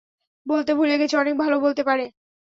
বলতে ভুলে গেছি, অনেক ভালো বলতে পারে।